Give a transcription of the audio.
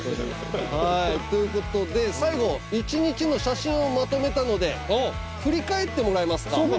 はいということで最後一日の写真をまとめたので振り返ってもらえますか？